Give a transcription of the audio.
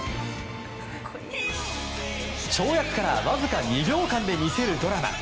跳躍からわずか２秒間で見せるドラマ。